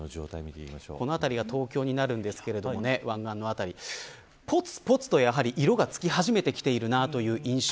この辺りが東京になりますが湾岸の辺り、ぽつぽつと色が付き始めてきている印象。